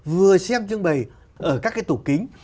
vừa xem trưng bày ở các cái tủ kính